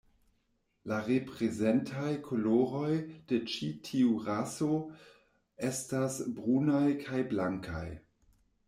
La reprezentaj koloroj de ĉi tiu raso estas brunaj kaj blankaj.